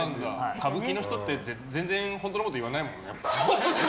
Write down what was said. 歌舞伎の人って全然本当のこと言わないもんね。